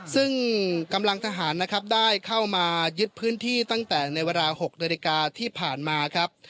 ซึ่งกำลังทหารนะครับได้เข้ามายึดพื้นที่ตั้งแต่ในเวลา๖นาฬิกาที่ผ่านมาครับ